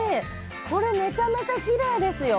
これめちゃめちゃきれいですよ。